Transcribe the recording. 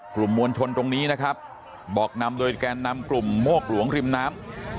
กลุ่มมวลชนตรงนี้นะครับบอกนำโดยแกนนำกลุ่มโมกหลวงริมน้ำ